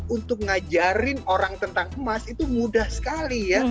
untuk ngajarin orang tentang emas itu mudah sekali ya